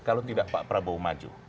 kalau tidak pak prabowo maju